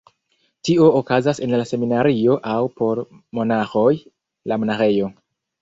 Tio okazas en la seminario aŭ (por monaĥoj) la monaĥejo.